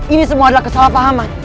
ini semua adalah kesalahpahaman